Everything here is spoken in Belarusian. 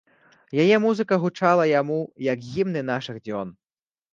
Яе музыка гучала яму, як гімны нашых дзён.